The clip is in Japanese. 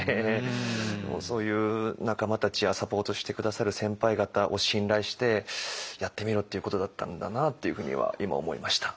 そういう仲間たちやサポートして下さる先輩方を信頼してやってみろっていうことだったんだなっていうふうには今思いました。